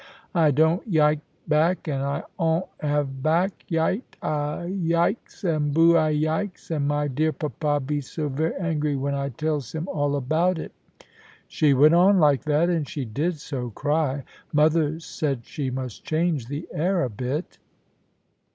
'I don't yike back, and I 'on't have back. Yite I yikes, and boo I yikes; and my dear papa be so very angy, when I tells him all about it.' She went on like that, and she did so cry, mother said she must change the air a bit."